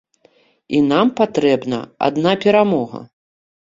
І нам патрэбна адна перамога!